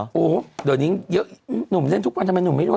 โอ้โหเดี๋ยวนี้เยอะหนุ่มเล่นทุกวันทำไมหนุ่มไม่รวย